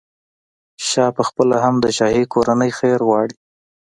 شاه پخپله هم د شاهي کورنۍ خیر غواړي.